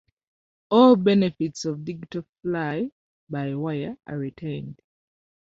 All benefits of digital fly-by-wire are retained.